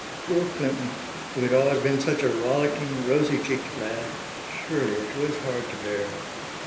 Poor Clinton! who had always been such a rollicking, rosy cheeked lad. Surely it was hard to bear.